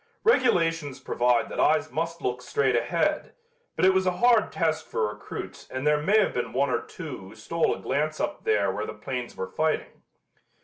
Regulations provide that eyes must look straight ahead, but it was a hard test for recruits and there may have been one or two who stole a glance up there where the planes were fighting.